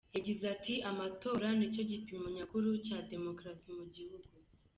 Yagize ati “ Amatora ni cyo gipimo nyakuri cya demokarasi mu gihugu.